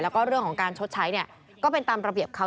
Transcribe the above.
แล้วก็เรื่องของการชดใช้เนี่ยก็เป็นตามระเบียบเขา